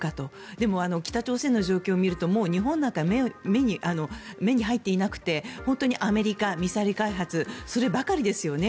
でも、北朝鮮の状況を見ると日本なんか目に入っていなくて本当にアメリカ、ミサイル開発そればかりですよね。